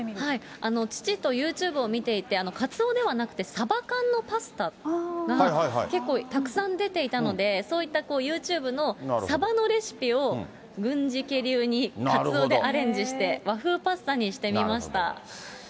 父とユーチューブを見ていて、カツオではなくて、サバ缶のパスタが結構たくさん出ていたので、そういったユーチューブのサバのレシピを、郡司家流にカツオでアレンジして、和風パスタにしてみました。